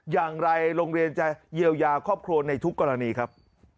โรงเรียนจะเยียวยาครอบครัวในทุกกรณีครับ